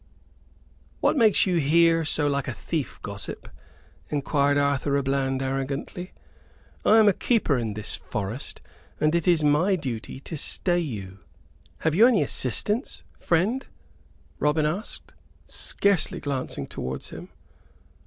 "What makes you here so like a thief, gossip?" enquired Arthur à Bland, arrogantly. "I am a keeper in this forest, and it is my duty to stay you." "Have you any assistants, friend?" Robin asked, scarcely glancing towards him.